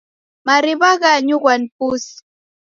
Mariw'a ghanyughwa ni pusi.